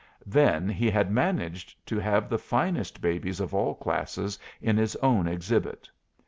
Then, he had managed to have the finest babies of all classes in his own exhibit.